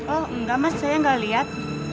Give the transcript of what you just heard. oh tidak mas saya tidak lihat